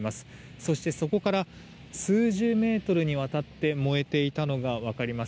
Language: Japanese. そして、そこから数十メートルにわたって燃えていたのが分かります。